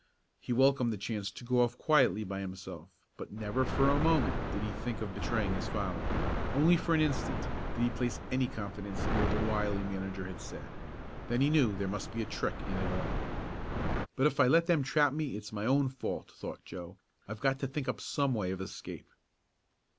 He welcomed the chance to go off quietly by himself, but never for a moment did he think of betraying his father. Only for an instant did he place any confidence in what the wily manager had said. Then he knew there must be a trick in it all. "But if I let them trap me it's my own fault," thought Joe. "I've got to think up some way of escape."